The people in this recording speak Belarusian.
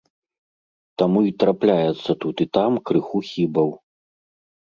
Таму й трапляецца тут і там крыху хібаў.